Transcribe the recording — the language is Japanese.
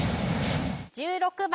１６番